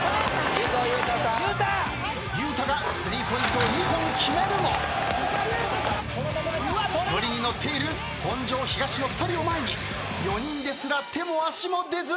ゆうたがスリーポイントを２本決めるも乗りに乗っている本庄東の２人を前に４人ですら手も足も出ず。